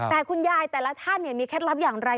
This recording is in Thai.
แต่คุณยายแต่ละท่านเนี่ยมีแค่ละบิดักอย่างไร